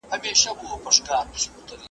که وریښتان پرېږدئ، دوی به هم وده وکړي.